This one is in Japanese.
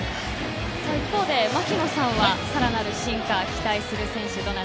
一方で槙野さんはさらなる進化、期待する選手